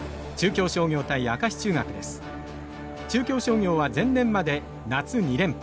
中京商業は前年まで夏２連覇。